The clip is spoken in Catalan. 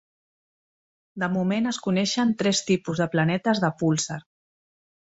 De moment es coneixen tres tipus de planetes de púlsar.